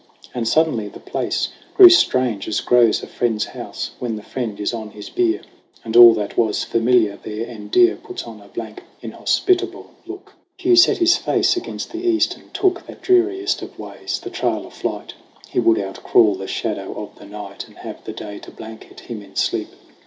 And suddenly the place grew strange, as grows A friend's house, when the friend is on his bier, And all that was familiar there and dear Puts on a blank, inhospitable look. 90 SONG OF HUGH GLASS Hugh set his face against the east, and took That dreariest of ways, the trail of flight. He would outcrawl the shadow of the night And have the day to blanket him in sleep.